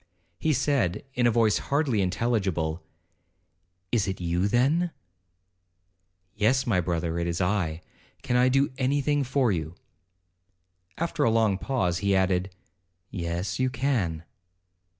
He said, in a voice hardly intelligible, 'It is you, then?' 'Yes, my brother, it is I—can I do any thing for you?' After a long pause, he added, 'Yes, you can.'